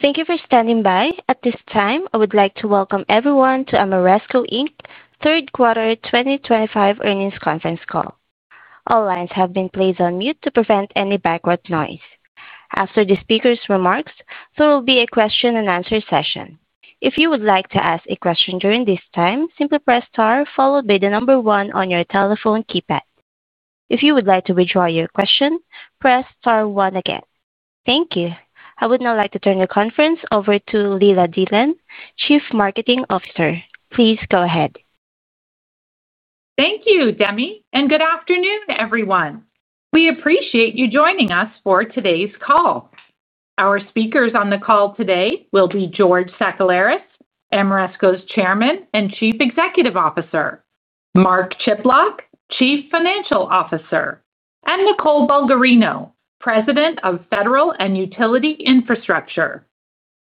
Thank you for standing by. At this time, I would like to welcome everyone to Ameresco third quarter 2025 earnings conference call. All lines have been placed on mute to prevent any backward noise. After the speaker's remarks, there will be a question-and-answer session. If you would like to ask a question during this time, simply press star followed by the number one on your telephone keypad. If you would like to withdraw your question, press star one again. Thank you. I would now like to turn the conference over to Leila Dillon, Chief Marketing Officer. Please go ahead. Thank you, Demi, and good afternoon, everyone. We appreciate you joining us for today's call. Our speakers on the call today will be George Sakellaris, Ameresco's Chairman and Chief Executive Officer, Mark Chiplock, Chief Financial Officer, and Nicole Bulgarino, President of Federal and Utility Infrastructure.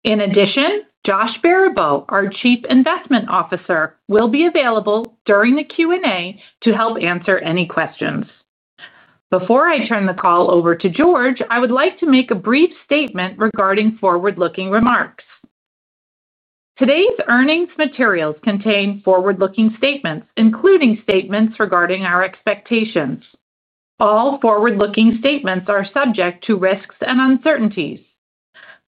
In addition, Josh Baribeau, our Chief Investment Officer, will be available during the Q&A to help answer any questions. Before I turn the call over to George, I would like to make a brief statement regarding forward-looking remarks. Today's earnings materials contain forward-looking statements, including statements regarding our expectations. All forward-looking statements are subject to risks and uncertainties.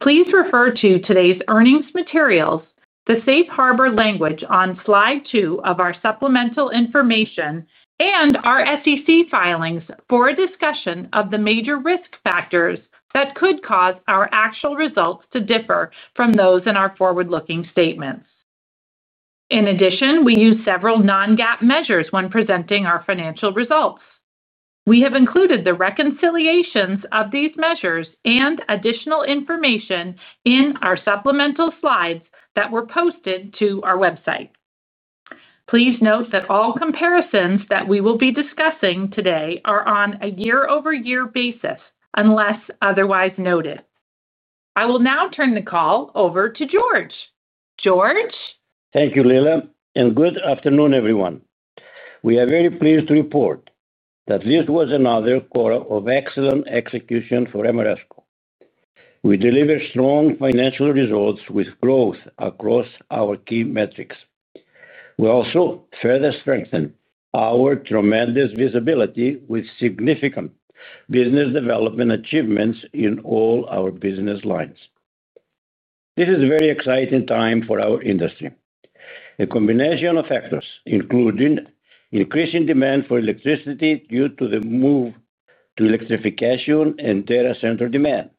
Please refer to today's earnings materials, the safe harbor language on slide two of our supplemental information, and our SEC filings for a discussion of the major risk factors that could cause our actual results to differ from those in our forward-looking statements. In addition, we use several non-GAAP measures when presenting our financial results. We have included the reconciliations of these measures and additional information in our supplemental slides that were posted to our website. Please note that all comparisons that we will be discussing today are on a year-over-year basis unless otherwise noted. I will now turn the call over to George. George. Thank you, Leila, and good afternoon, everyone. We are very pleased to report that this was another quarter of excellent execution for Ameresco. We delivered strong financial results with growth across our key metrics. We also further strengthened our tremendous visibility with significant business development achievements in all our business lines. This is a very exciting time for our industry. A combination of factors, including increasing demand for electricity due to the move to electrification and data center demand,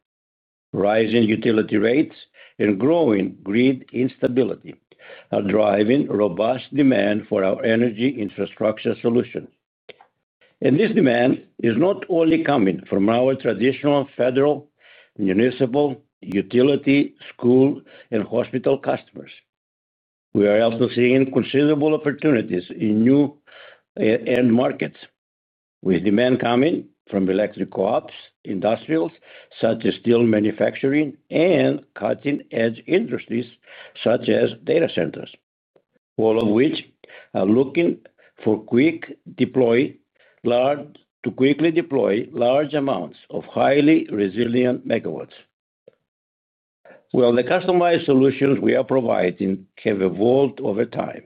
rising utility rates, and growing grid instability are driving robust demand for our energy infrastructure solutions. This demand is not only coming from our traditional federal, municipal, utility, school, and hospital customers. We are also seeing considerable opportunities in new end markets, with demand coming from electric co-ops, industrials such as steel manufacturing, and cutting-edge industries such as data centers, all of which are looking for quick deploy, large amounts of highly resilient megawatts. The customized solutions we are providing have evolved over time.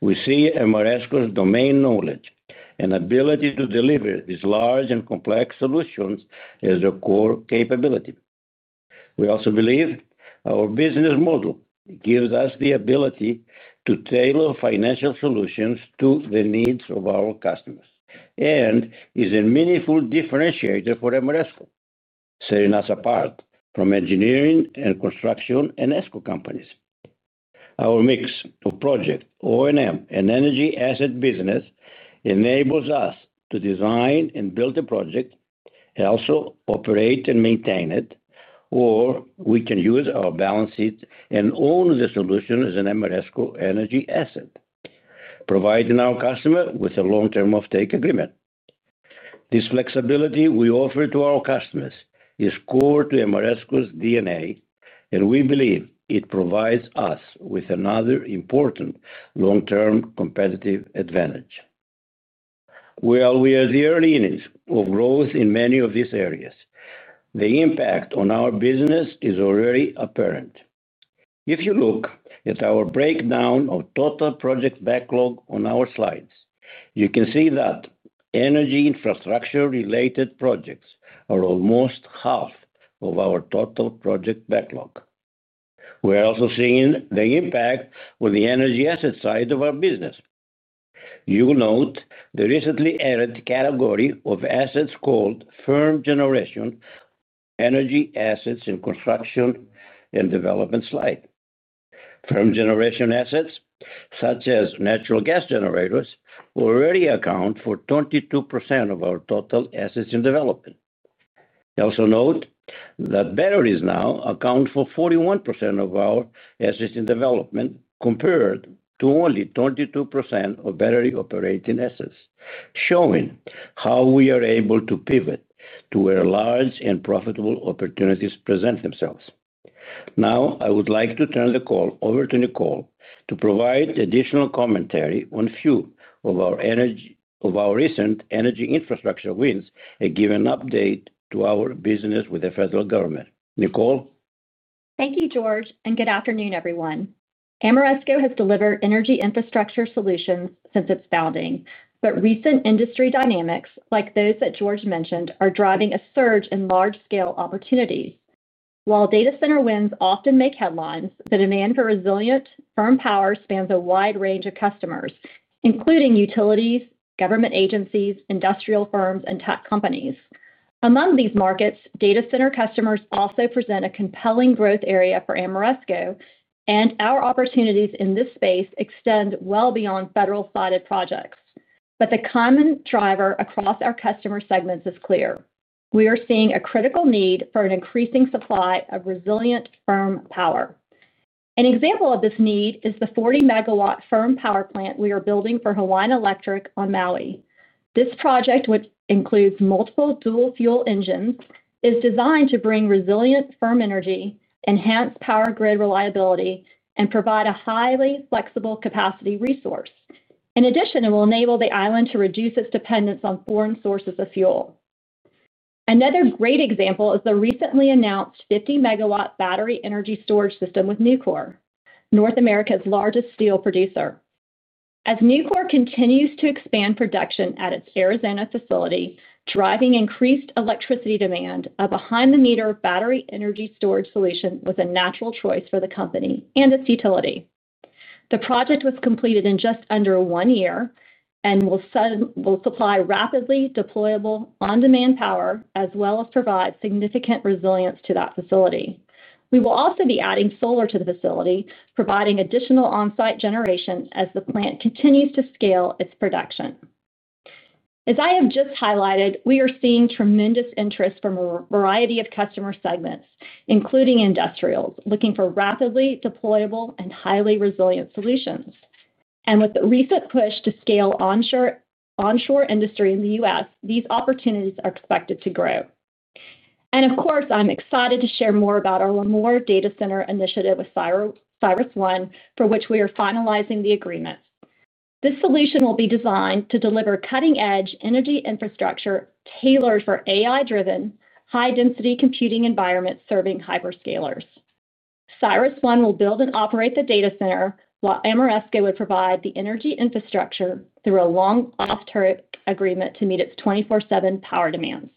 We see Ameresco's domain knowledge and ability to deliver these large and complex solutions as their core capability. We also believe our business model gives us the ability to tailor financial solutions to the needs of our customers and is a meaningful differentiator for Ameresco, setting us apart from engineering and construction and esco companies. Our mix of project, O&M, and energy asset business enables us to design and build a project and also operate and maintain it, or we can use our balance sheet and own the solution as an Ameresco energy asset, providing our customer with a long-term offtake agreement. This flexibility we offer to our customers is core to Ameresco's DNA, and we believe it provides us with another important long-term competitive advantage. While we are at the early innings of growth in many of these areas, the impact on our business is already apparent. If you look at our breakdown of total project backlog on our slides, you can see that energy infrastructure-related projects are almost half of our total project backlog. We are also seeing the impact on the energy asset side of our business. You will note the recently added category of assets called firm generation energy assets in construction and development slide. Firm generation assets, such as natural gas generators, already account for 22% of our total assets in development. Also note that batteries now account for 41% of our assets in development, compared to only 22% of battery-operated assets, showing how we are able to pivot to where large and profitable opportunities present themselves. Now, I would like to turn the call over to Nicole to provide additional commentary on a few of our recent energy infrastructure wins and give an update to our business with the federal government. Nicole. Thank you, George, and good afternoon, everyone. Ameresco has delivered energy infrastructure solutions since its founding, but recent industry dynamics, like those that George mentioned, are driving a surge in large-scale opportunities. While data center wins often make headlines, the demand for resilient firm power spans a wide range of customers, including utilities, government agencies, industrial firms, and tech companies. Among these markets, data center customers also present a compelling growth area for Ameresco, and our opportunities in this space extend well beyond federal-sided projects. The common driver across our customer segments is clear: we are seeing a critical need for an increasing supply of resilient firm power. An example of this need is the 40 MW firm power plant we are building for Hawaiian Electric on Maui. This project, which includes multiple dual-fuel engines, is designed to bring resilient firm energy, enhance power grid reliability, and provide a highly flexible capacity resource. In addition, it will enable the island to reduce its dependence on foreign sources of fuel. Another great example is the recently announced 50 MW battery energy storage system with Nucor, North America's largest steel producer. As Nucor continues to expand production at its Arizona facility, driving increased electricity demand, a behind-the-meter battery energy storage solution was a natural choice for the company and its utility. The project was completed in just under one year and will supply rapidly deployable on-demand power, as well as provide significant resilience to that facility. We will also be adding solar to the facility, providing additional on-site generation as the plant continues to scale its production. As I have just highlighted, we are seeing tremendous interest from a variety of customer segments, including industrials, looking for rapidly deployable and highly resilient solutions. With the recent push to scale onshore industry in the U.S., these opportunities are expected to grow. Of course, I'm excited to share more about our Lemoore Data Center initiative with CyrusOne, for which we are finalizing the agreement. This solution will be designed to deliver cutting-edge energy infrastructure tailored for AI-driven, high-density computing environments serving hyperscalers. CyrusOne will build and operate the data center, while Ameresco would provide the energy infrastructure through a long off-taker agreement to meet its 24/7 power demands.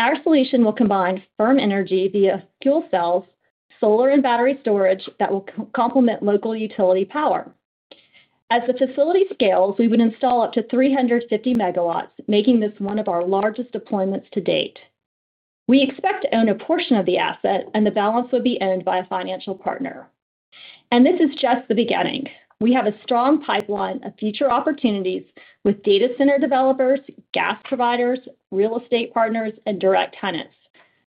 Our solution will combine firm energy via fuel cells, solar, and battery storage that will complement local utility power. As the facility scales, we would install up to 350 MW, making this one of our largest deployments to date. We expect to own a portion of the asset, and the balance would be owned by a financial partner. This is just the beginning. We have a strong pipeline of future opportunities with data center developers, gas providers, real estate partners, and direct tenants.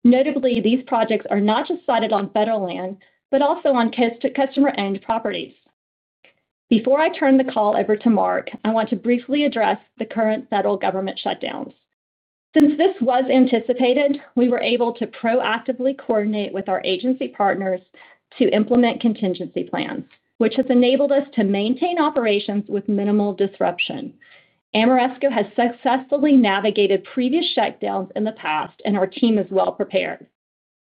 Notably, these projects are not just sited on federal land, but also on customer-owned properties. Before I turn the call over to Mark, I want to briefly address the current federal government shutdowns. Since this was anticipated, we were able to proactively coordinate with our agency partners to implement contingency plans, which has enabled us to maintain operations with minimal disruption. Ameresco has successfully navigated previous shutdowns in the past, and our team is well prepared.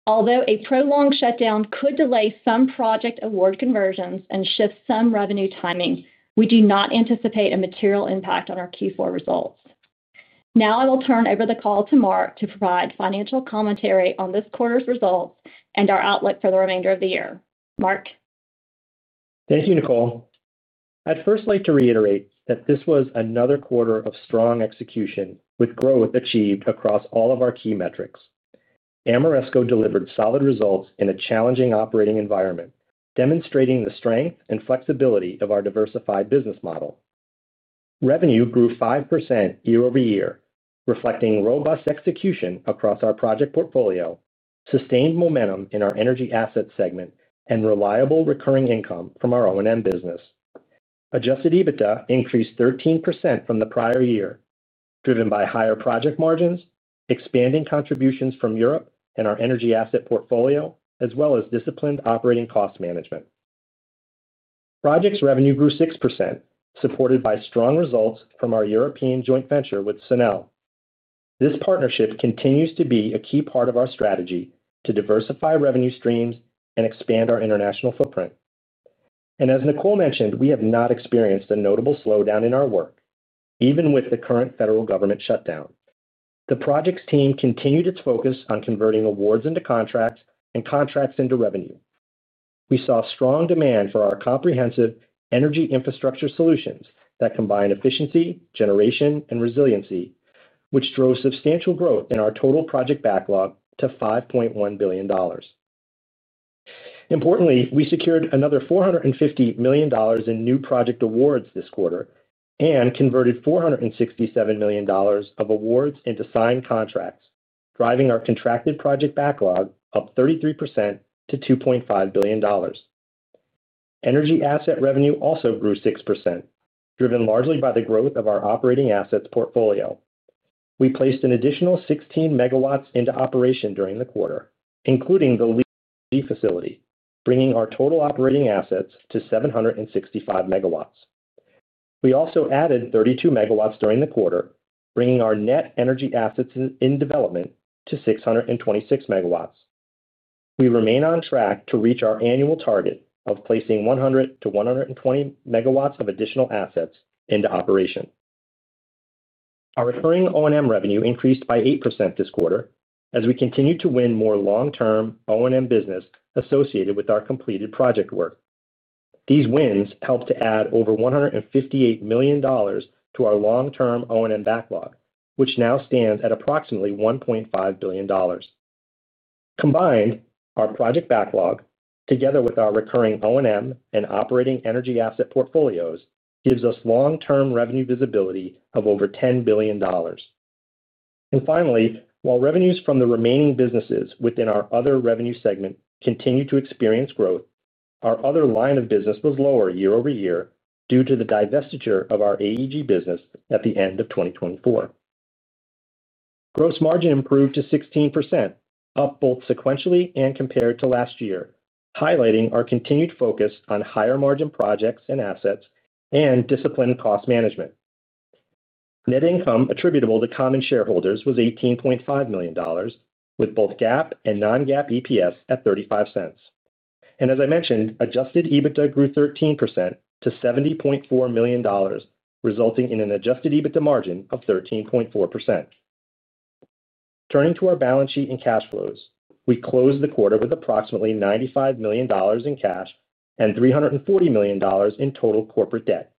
Although a prolonged shutdown could delay some project award conversions and shift some revenue timing, we do not anticipate a material impact on our Q4 results. Now I will turn over the call to Mark to provide financial commentary on this quarter's results and our outlook for the remainder of the year. Mark. Thank you, Nicole. I'd first like to reiterate that this was another quarter of strong execution, with growth achieved across all of our key metrics. Ameresco delivered solid results in a challenging operating environment, demonstrating the strength and flexibility of our diversified business model. Revenue grew 5% year-over-year, reflecting robust execution across our project portfolio, sustained momentum in our energy asset segment, and reliable recurring income from our O&M business. Adjusted EBITDA increased 13% from the prior year, driven by higher project margins, expanding contributions from Europe and our energy asset portfolio, as well as disciplined operating cost management. Projects revenue grew 6%, supported by strong results from our European joint venture with CINEL. This partnership continues to be a key part of our strategy to diversify revenue streams and expand our international footprint. As Nicole mentioned, we have not experienced a notable slowdown in our work, even with the current federal government shutdown. The project's team continued its focus on converting awards into contracts and contracts into revenue. We saw strong demand for our comprehensive energy infrastructure solutions that combine efficiency, generation, and resiliency, which drove substantial growth in our total project backlog to $5.1 billion. Importantly, we secured another $450 million in new project awards this quarter and converted $467 million of awards into signed contracts, driving our contracted project backlog up 33% to $2.5 billion. Energy asset revenue also grew 6%, driven largely by the growth of our operating assets portfolio. We placed an additional 16 MW into operation during the quarter, including the LEED facility, bringing our total operating assets to 765 MW. We also added 32 megawatts during the quarter, bringing our net energy assets in development to 626 MW. We remain on track to reach our annual target of placing 100 MW-120 MW of additional assets into operation. Our recurring O&M revenue increased by 8% this quarter as we continue to win more long-term O&M business associated with our completed project work. These wins helped to add over $158 million to our long-term O&M backlog, which now stands at approximately $1.5 billion. Combined, our project backlog, together with our recurring O&M and operating energy asset portfolios, gives us long-term revenue visibility of over $10 billion. Finally, while revenues from the remaining businesses within our other revenue segment continue to experience growth, our other line of business was lower year-over-year due to the divestiture of our AEG business at the end of 2024. Gross margin improved to 16%, up both sequentially and compared to last year, highlighting our continued focus on higher margin projects and assets and disciplined cost management. Net income attributable to common shareholders was $18.5 million, with both GAAP and non-GAAP EPS at $0.35. As I mentioned, adjusted EBITDA grew 13% to $70.4 million, resulting in an adjusted EBITDA margin of 13.4%. Turning to our balance sheet and cash flows, we closed the quarter with approximately $95 million in cash and $340 million in total corporate debt.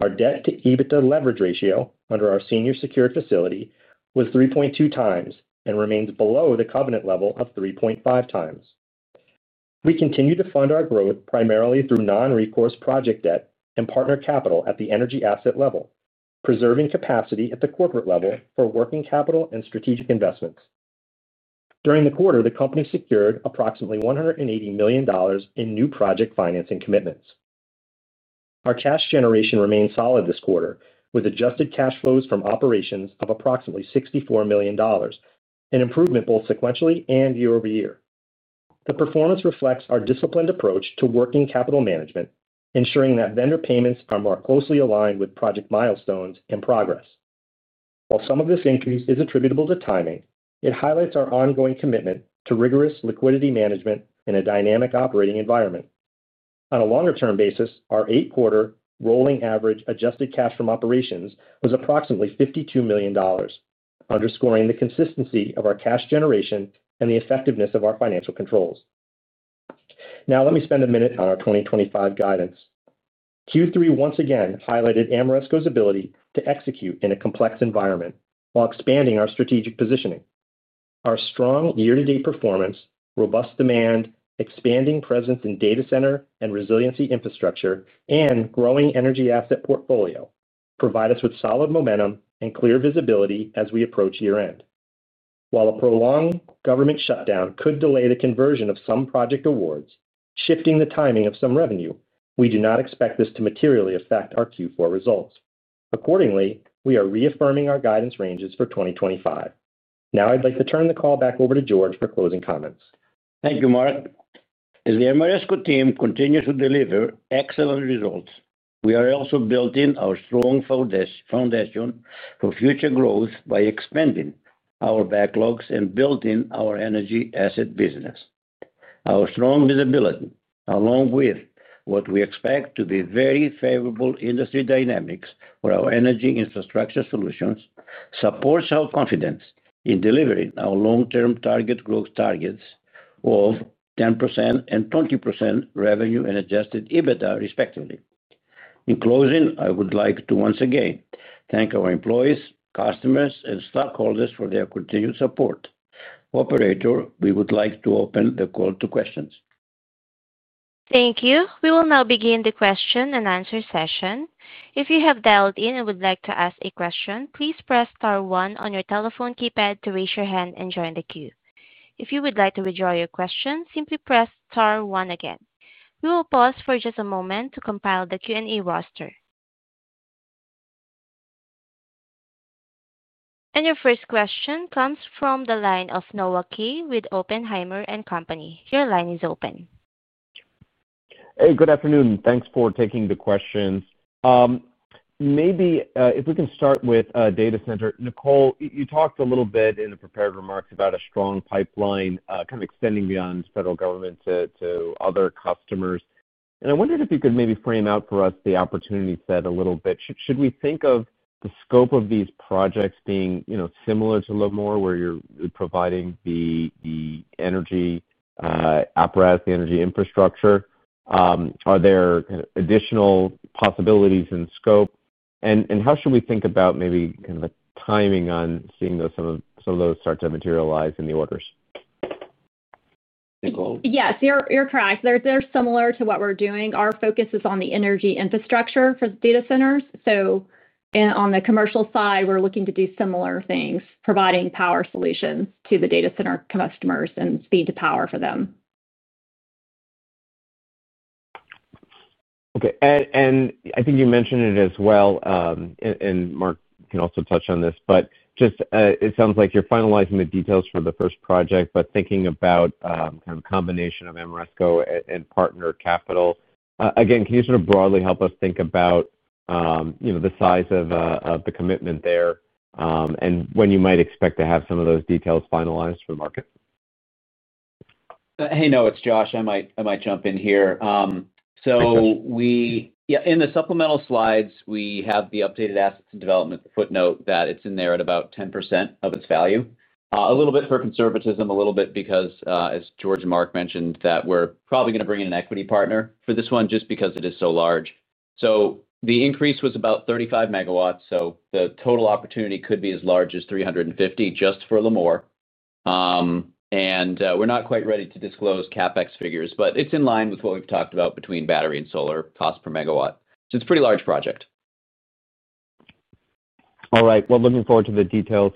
Our debt-to-EBITDA leverage ratio under our senior secured facility was 3.2x and remains below the covenant level of 3.5x. We continue to fund our growth primarily through non-recourse project debt and partner capital at the energy asset level, preserving capacity at the corporate level for working capital and strategic investments. During the quarter, the company secured approximately $180 million in new project financing commitments. Our cash generation remained solid this quarter, with adjusted cash flows from operations of approximately $64 million, an improvement both sequentially and year-over-year. The performance reflects our disciplined approach to working capital management, ensuring that vendor payments are more closely aligned with project milestones and progress. While some of this increase is attributable to timing, it highlights our ongoing commitment to rigorous liquidity management in a dynamic operating environment. On a longer-term basis, our eight-quarter rolling average adjusted cash from operations was approximately $52 million, underscoring the consistency of our cash generation and the effectiveness of our financial controls. Now, let me spend a minute on our 2025 guidance. Q3 once again highlighted Ameresco's ability to execute in a complex environment while expanding our strategic positioning. Our strong year-to-date performance, robust demand, expanding presence in data center and resiliency infrastructure, and growing energy asset portfolio provide us with solid momentum and clear visibility as we approach year-end. While a prolonged government shutdown could delay the conversion of some project awards, shifting the timing of some revenue, we do not expect this to materially affect our Q4 results. Accordingly, we are reaffirming our guidance ranges for 2025. Now, I'd like to turn the call back over to George for closing comments. Thank you, Mark. As the Ameresco team continues to deliver excellent results, we are also building our strong foundation for future growth by expanding our backlogs and building our energy asset business. Our strong visibility, along with what we expect to be very favorable industry dynamics for our energy infrastructure solutions, supports our confidence in delivering our long-term target growth targets of 10% and 20% revenue and adjusted EBITDA, respectively. In closing, I would like to once again thank our employees, customers, and stockholders for their continued support. Operator, we would like to open the call to questions. Thank you. We will now begin the question and answer session. If you have dialed in and would like to ask a question, please press star one on your telephone keypad to raise your hand and join the queue. If you would like to withdraw your question, simply press star one again. We will pause for just a moment to compile the Q&A roster. Your first question comes from the line of Noah Kaye with Oppenheimer & Co. Your line is open. Hey, good afternoon. Thanks for taking the questions. Maybe if we can start with data center. Nicole, you talked a little bit in the prepared remarks about a strong pipeline kind of extending beyond federal government to other customers. I wondered if you could maybe frame out for us the opportunity set a little bit. Should we think of the scope of these projects being similar to Lemoore, where you're providing the energy apparatus, the energy infrastructure? Are there additional possibilities in scope? How should we think about maybe kind of the timing on seeing some of those start to materialize in the orders? Yes, you're correct. They're similar to what we're doing. Our focus is on the energy infrastructure for data centers. On the commercial side, we're looking to do similar things, providing power solutions to the data center customers and speed to power for them. Okay. I think you mentioned it as well. Mark can also touch on this, but just it sounds like you're finalizing the details for the first project. Thinking about kind of a combination of Ameresco and partner capital, again, can you sort of broadly help us think about the size of the commitment there and when you might expect to have some of those details finalized for the market? Hey, no, it's Josh. I might jump in here. In the supplemental slides, we have the updated assets and development footnote that it's in there at about 10% of its value. A little bit for conservatism, a little bit because, as George and Mark mentioned, that we're probably going to bring in an equity partner for this one just because it is so large. The increase was about 35 MW. The total opportunity could be as large as 350 just for Lemoore. We're not quite ready to disclose CapEx figures, but it's in line with what we've talked about between battery and solar cost per megawatt. It's a pretty large project. All right. Looking forward to the details.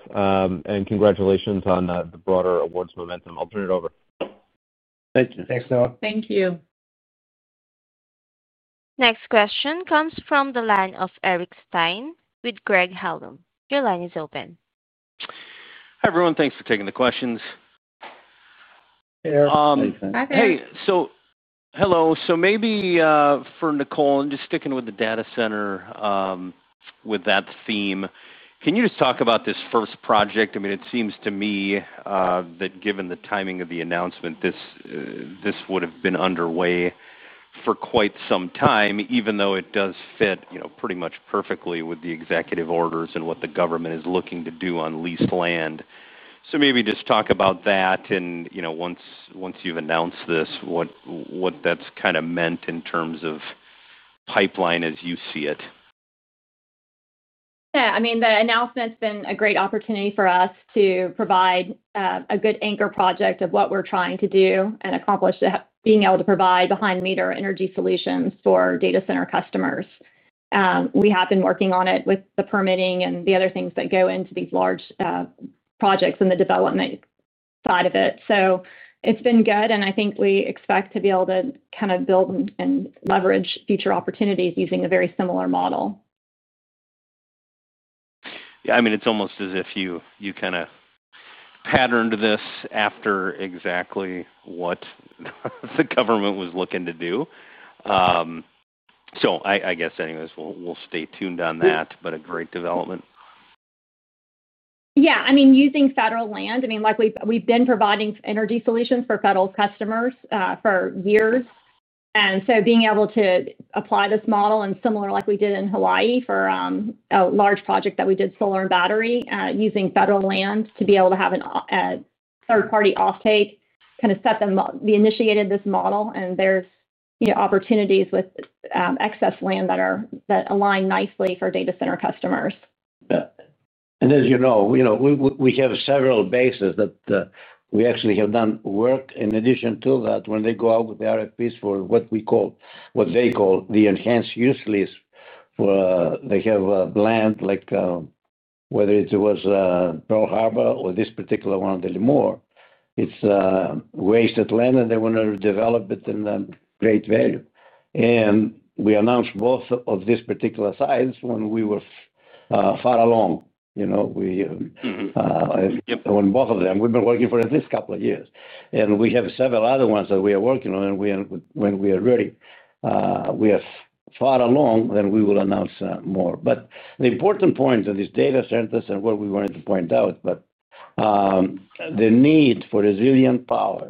Congratulations on the broader awards momentum. I'll turn it over. Thank you. Thanks, Noah. Thank you. Next question comes from the line of Eric Stine with Craig-Hallum. Your line is open. Hi, everyone. Thanks for taking the questions. Hey, Eric. Hey, Eric. Hey. Hey. Hello. Maybe for Nicole, just sticking with the data center. With that theme, can you just talk about this first project? I mean, it seems to me that given the timing of the announcement, this would have been underway for quite some time, even though it does fit pretty much perfectly with the executive orders and what the government is looking to do on leased land. Maybe just talk about that. Once you've announced this, what that's kind of meant in terms of pipeline as you see it. Yeah. I mean, the announcement's been a great opportunity for us to provide a good anchor project of what we're trying to do and accomplish, being able to provide behind-the-meter energy solutions for data center customers. We have been working on it with the permitting and the other things that go into these large projects and the development side of it. It's been good, and I think we expect to be able to kind of build and leverage future opportunities using a very similar model. Yeah. I mean, it's almost as if you kind of patterned this after exactly what the government was looking to do. I guess anyways, we'll stay tuned on that, but a great development. Yeah. I mean, using federal land, I mean, we've been providing energy solutions for federal customers for years. And so being able to apply this model and similar like we did in Hawaii for a large project that we did, solar and battery, using federal land to be able to have a third-party offtake kind of set the initiated this model. And there's opportunities with excess land that align nicely for data center customers. As you know, we have several bases that we actually have done work in. In addition to that, when they go out with the RFPs for what they call the enhanced use list, they have land. Like whether it was Pearl Harbor or this particular one at Lemoore, it's wasted land, and they want to develop it in great value. We announced both of these particular sites when we were far along. With both of them, we've been working for at least a couple of years. We have several other ones that we are working on, and when we are ready, when we are far along, then we will announce more. The important point of this data center is what we wanted to point out. The need for resilient power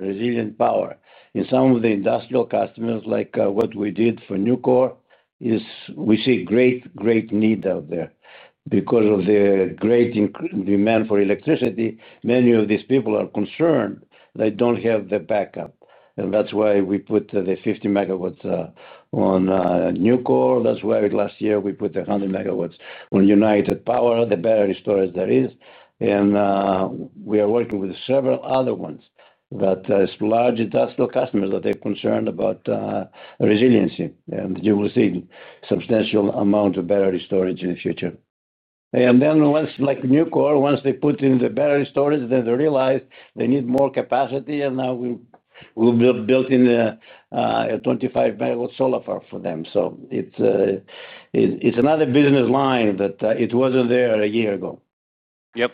in some of the industrial customers, like what we did for Nucor, is we see great, great need out there because of the great demand for electricity. Many of these people are concerned they don't have the backup, and that's why we put the 50 MW on Nucor. That's why last year we put 100 MW on United Power. The battery storage there is, and we are working with several other ones that are large industrial customers that are concerned about resiliency. You will see a substantial amount of battery storage in the future. Once, like Nucor, once they put in the battery storage, then they realize they need more capacity, and now we'll be building a 25 MW solar for them. It's another business line that wasn't there a year ago. Yep.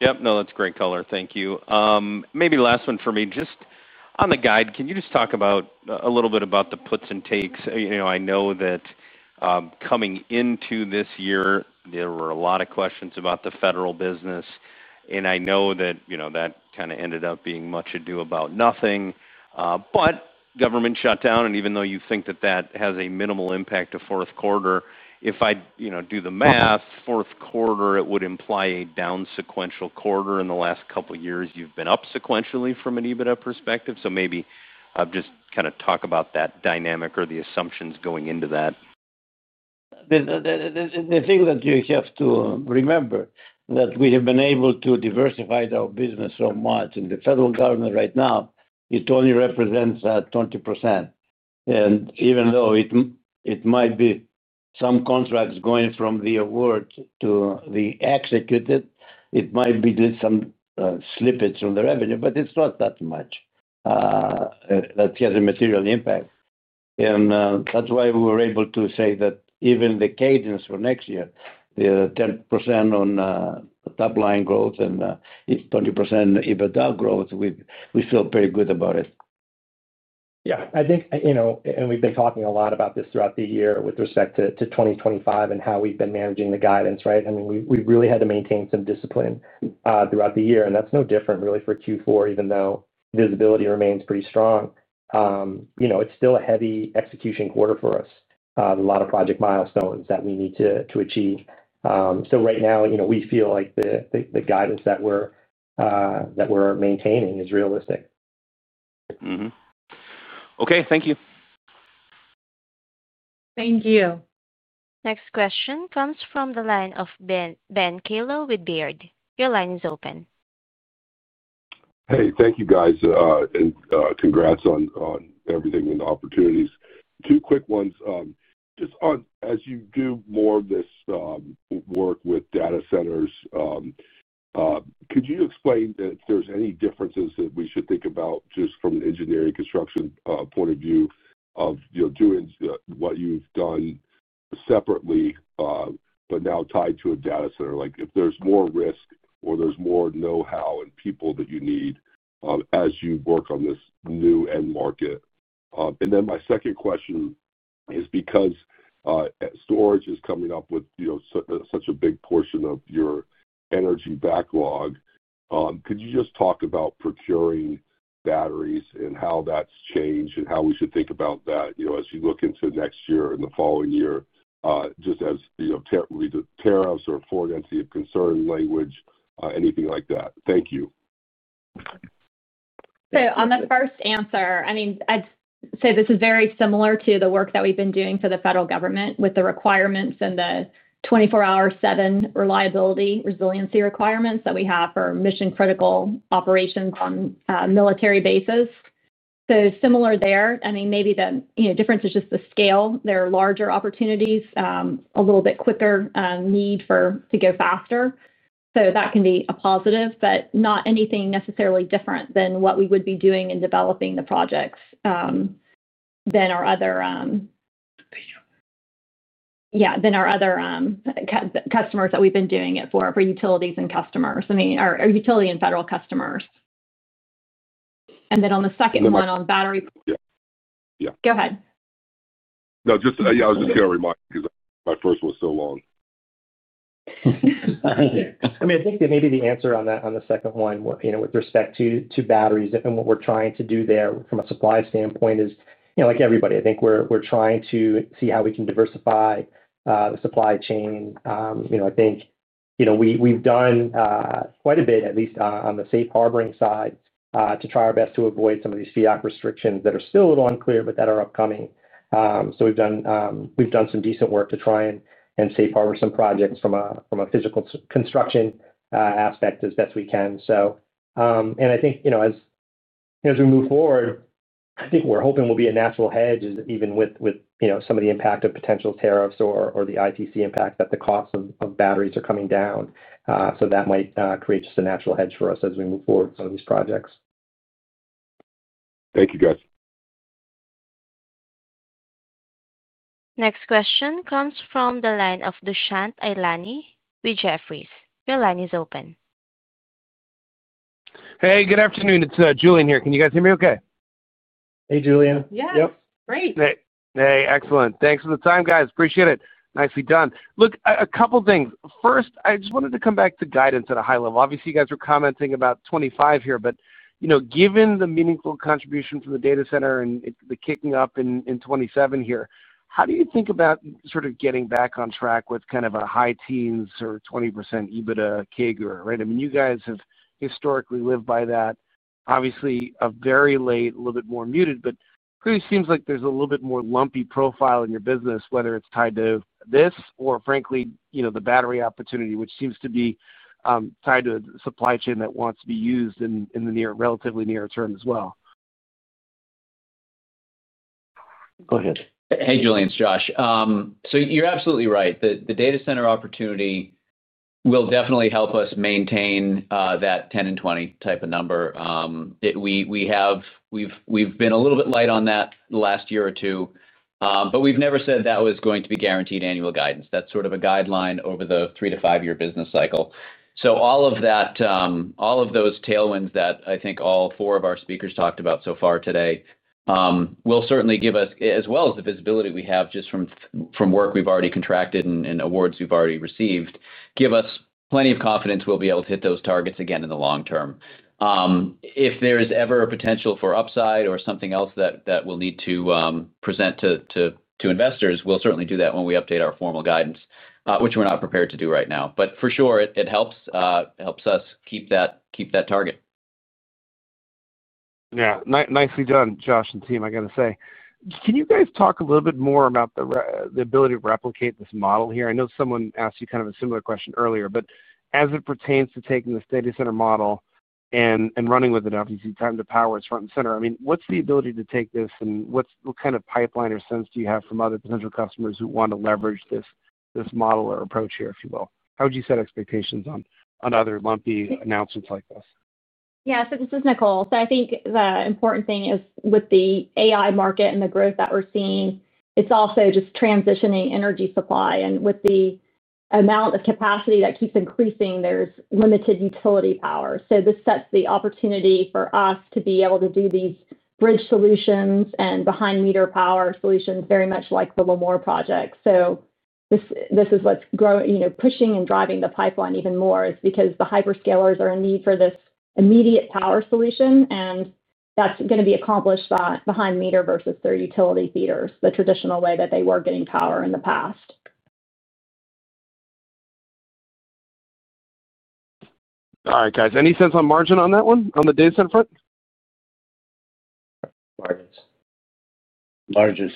Yep. No, that's great color. Thank you. Maybe last one for me. Just on the guide, can you just talk a little bit about the puts and takes? I know that coming into this year, there were a lot of questions about the federal business. I know that that kind of ended up being much ado about nothing. Government shutdown, and even though you think that that has a minimal impact to fourth quarter, if I do the math, fourth quarter, it would imply a down sequential quarter. In the last couple of years, you've been up sequentially from an EBITDA perspective. Maybe just kind of talk about that dynamic or the assumptions going into that. The thing that you have to remember is that we have been able to diversify our business so much. The federal government right now, it only represents 20%. Even though it might be some contracts going from the award to the executed, it might be some slippage from the revenue, but it's not that much. That has a material impact. That's why we were able to say that even the cadence for next year, the 10% top-line growth and 20% EBITDA growth, we feel pretty good about it. Yeah. I think, and we've been talking a lot about this throughout the year with respect to 2025 and how we've been managing the guidance, right? I mean, we really had to maintain some discipline throughout the year. That's no different, really, for Q4, even though visibility remains pretty strong. It's still a heavy execution quarter for us, a lot of project milestones that we need to achieve. Right now, we feel like the guidance that we're maintaining is realistic. Okay. Thank you. Thank you. Next question comes from the line of Ben Kallo with Baird. Your line is open. Hey, thank you, guys. Congrats on everything and the opportunities. Two quick ones. Just as you do more of this work with data centers, could you explain if there's any differences that we should think about just from an engineering construction point of view of doing what you've done separately, but now tied to a data center? If there's more risk or there's more know-how and people that you need as you work on this new end market. My second question is because storage is coming up with such a big portion of your energy backlog, could you just talk about procuring batteries and how that's changed and how we should think about that as you look into next year and the following year, just as terrace or affordancy of concern language, anything like that? Thank you. On the first answer, I mean, I'd say this is very similar to the work that we've been doing for the federal government with the requirements and the 24-hour, 7-reliability resiliency requirements that we have for mission-critical operations on military bases. Similar there. I mean, maybe the difference is just the scale. There are larger opportunities, a little bit quicker need to go faster. That can be a positive, but not anything necessarily different than what we would be doing in developing the projects than our other customers that we've been doing it for, for utilities and customers, I mean, or utility and federal customers. On the second one on battery. Yeah. Go ahead. No, just yeah, I was just going to remind you because my first one was so long. I mean, I think that maybe the answer on the second one with respect to batteries and what we're trying to do there from a supply standpoint is like everybody, I think we're trying to see how we can diversify the supply chain. I think we've done quite a bit, at least on the safe harboring side, to try our best to avoid some of these fiat restrictions that are still a little unclear, but that are upcoming. We've done some decent work to try and safe harbor some projects from a physical construction aspect as best we can. I think as we move forward, I think we're hoping we'll be a natural hedge even with some of the impact of potential tariffs or the ITC impact that the cost of batteries are coming down. That might create just a natural hedge for us as we move forward with some of these projects. Thank you, guys. Next question comes from the line of Dushyant Eilani with Jefferies. Your line is open. Hey, good afternoon. It's Julian here. Can you guys hear me okay? Hey, Julian. Yep. Yep. Great. Hey. Excellent. Thanks for the time, guys. Appreciate it. Nicely done. Look, a couple of things. First, I just wanted to come back to guidance at a high level. Obviously, you guys were commenting about 2025 here, but given the meaningful contribution from the data center and the kicking up in 2027 here, how do you think about sort of getting back on track with kind of a high teens or 20% EBITDA CAGR, right? I mean, you guys have historically lived by that. Obviously, of late, a little bit more muted, but it really seems like there's a little bit more lumpy profile in your business, whether it's tied to this or, frankly, the battery opportunity, which seems to be tied to a supply chain that wants to be used in the relatively near term as well. Go ahead. Hey, Julian. It's Josh. You're absolutely right. The data center opportunity will definitely help us maintain that 10 and 20 type of number. We've been a little bit light on that the last year or two, but we've never said that was going to be guaranteed annual guidance. That's sort of a guideline over the three to five-year business cycle. All of those tailwinds that I think all four of our speakers talked about so far today will certainly give us, as well as the visibility we have just from work we've already contracted and awards we've already received, plenty of confidence we'll be able to hit those targets again in the long term. If there is ever a potential for upside or something else that we'll need to present to investors, we'll certainly do that when we update our formal guidance, which we're not prepared to do right now. For sure, it helps us keep that target. Yeah. Nicely done, Josh and team, I got to say. Can you guys talk a little bit more about the ability to replicate this model here? I know someone asked you kind of a similar question earlier, but as it pertains to taking the data center model and running with it, obviously, time to power is front and center. I mean, what's the ability to take this and what kind of pipeline or sense do you have from other potential customers who want to leverage this model or approach here, if you will? How would you set expectations on other lumpy announcements like this? Yeah. So this is Nicole. I think the important thing is with the AI market and the growth that we're seeing, it's also just transitioning energy supply. With the amount of capacity that keeps increasing, there's limited utility power. This sets the opportunity for us to be able to do these bridge solutions and behind-the-meter power solutions very much like the Lemoore project. This is what's pushing and driving the pipeline even more because the hyperscalers are in need for this immediate power solution, and that's going to be accomplished by behind-the-meter versus their utility feeders, the traditional way that they were getting power in the past. All right, guys. Any sense on margin on that one, on the data center front? Margins. Margins.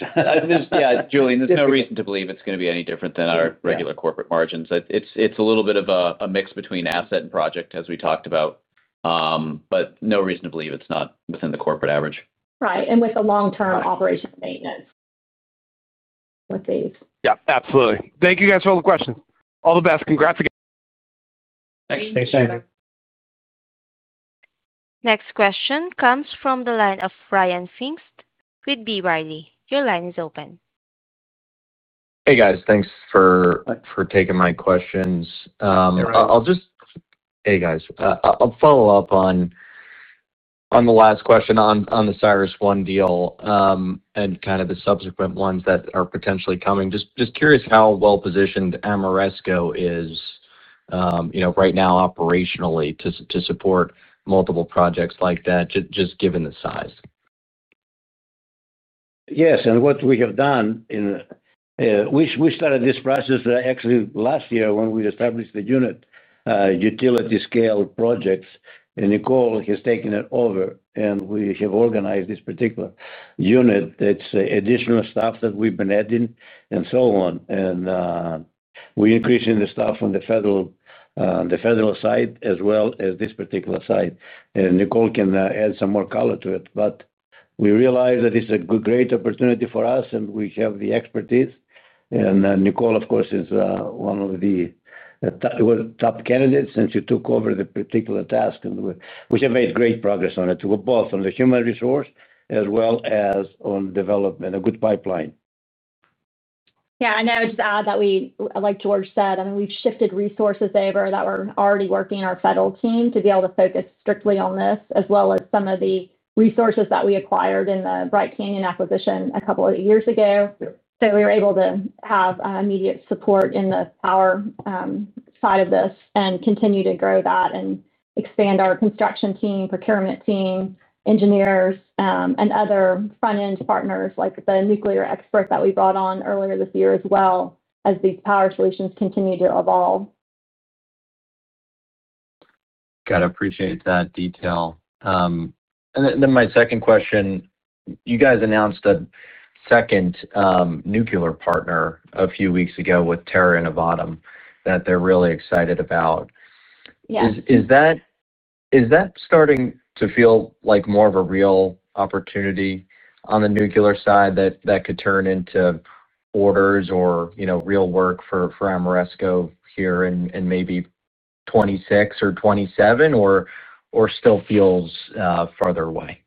Yeah, Julian, there's no reason to believe it's going to be any different than our regular corporate margins. It's a little bit of a mix between asset and project, as we talked about. No reason to believe it's not within the corporate average. Right. And with the long-term operation and maintenance. Yeah. Absolutely. Thank you, guys, for all the questions. All the best. Congrats again. Thanks. Thanks, Sam. Next question comes from the line of Ryan Pfingst with B. Riley. Your line is open. Hey, guys. Thanks for taking my questions. No problem. Hey, guys. I'll follow up on the last question on the CyrusOne deal. And kind of the subsequent ones that are potentially coming. Just curious how well-positioned Ameresco is right now operationally to support multiple projects like that, just given the size. Yes. What we have done, we started this process actually last year when we established the unit utility-scale projects. Nicole has taken it over, and we have organized this particular unit. It is additional staff that we have been adding and so on. We are increasing the staff on the federal side as well as this particular side. Nicole can add some more color to it. We realize that it is a great opportunity for us, and we have the expertise. Nicole, of course, is one of the top candidates since she took over the particular task. We have made great progress on it, both on the human resource as well as on development, a good pipeline. Yeah. I would just add that we, like George said, I mean, we've shifted resources over that were already working in our federal team to be able to focus strictly on this, as well as some of the resources that we acquired in the Bright Canyon acquisition a couple of years ago. We were able to have immediate support in the power side of this and continue to grow that and expand our construction team, procurement team, engineers, and other front-end partners like the nuclear expert that we brought on earlier this year as well as these power solutions continue to evolve. Got to appreciate that detail. My second question, you guys announced a second nuclear partner a few weeks ago with TerraPower and AvadaM that they're really excited about. Is that starting to feel like more of a real opportunity on the nuclear side that could turn into orders or real work for Ameresco here in maybe 2026 or 2027, or still feels farther away?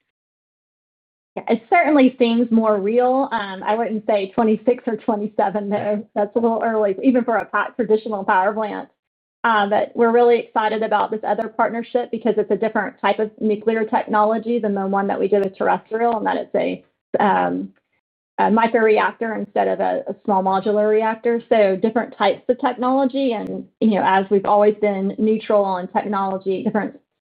Yeah. It certainly seems more real. I would not say 2026 or 2027 though. That is a little early, even for a traditional power plant. We are really excited about this other partnership because it is a different type of nuclear technology than the one that we did with Terrestrial in that it is a micro reactor instead of a small modular reactor. Different types of technology. As we have always been neutral on technology,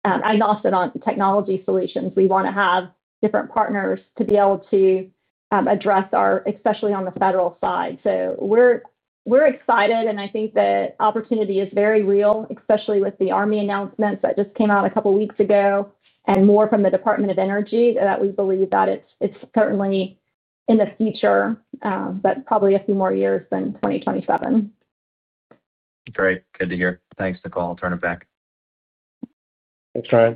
agnostic on technology solutions, we want to have different partners to be able to address our, especially on the federal side. We are excited. I think the opportunity is very real, especially with the Army announcements that just came out a couple of weeks ago and more from the Department of Energy that we believe that it is certainly in the future. Probably a few more years than 2027. Great. Good to hear. Thanks, Nicole. I'll turn it back. Thanks, Brian.